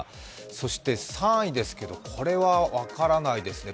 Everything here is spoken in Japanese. そして３位ですけど、これは分からないですね。